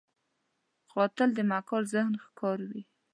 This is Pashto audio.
قاتل د مکار ذهن ښکار وي